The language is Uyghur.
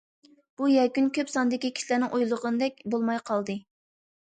بۇ يەكۈن كۆپ ساندىكى كىشىلەرنىڭ ئويلىغىنىدەك بولماي قالدى.